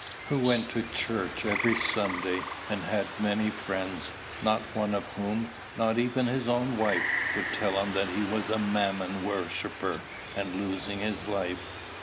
who went to church every Sunday, and had many friends, not one of whom, not even his own wife, would tell him that he was a Mammon worshipper, and losing his life.